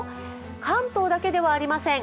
関東だけではありません。